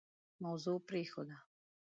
موضوع پرېښوده.